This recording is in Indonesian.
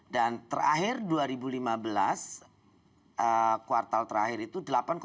dan terakhir dua ribu lima belas kuartal terakhir itu delapan sembilan puluh enam